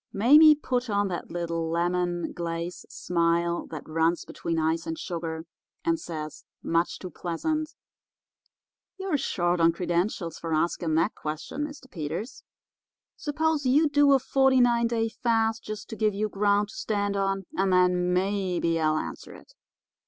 Mame put on that little lemon glacé smile that runs between ice and sugar, and says, much too pleasant: 'You're short on credentials for asking that question, Mr. Peters. Suppose you do a forty nine day fast, just to give you ground to stand on, and then maybe I'll answer it.